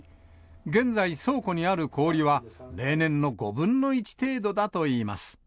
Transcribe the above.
現在、倉庫にある氷は、例年の５分の１程度だといいます。